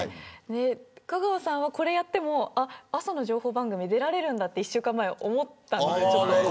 香川さんはこれをやっても朝の情報番組出られるんだと１週間前、思ったんです。